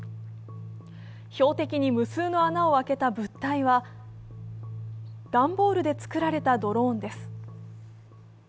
標的に無数の穴を開けた物体は、段ボールで作られたドローンです。